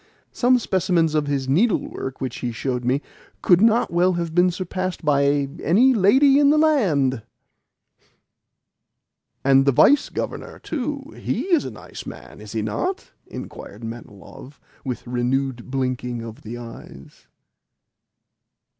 Some specimens of his needlework which he showed me could not well have been surpassed by any lady in the land!" "And the Vice Governor, too he is a nice man, is he not?" inquired Manilov with renewed blinkings of the eyes.